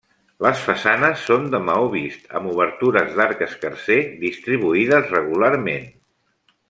Les façanes són de maó vist, amb obertures d'arc escarser distribuïdes regularment.